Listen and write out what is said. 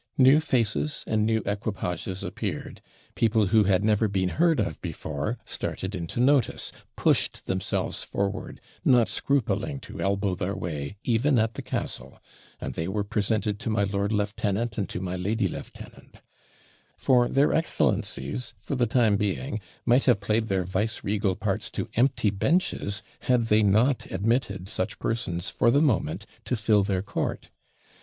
New faces and new equipages appeared; people, who had never been heard of before, started into notice, pushed themselves forward, not scrupling to elbow their way even at the Castle; and they were presented to my lord lieutenant and to my lady lieutenant; for their excellencies, for the time being, might have played their vice regal parts to empty benches, had they not admitted such persons for the moment to fill their court.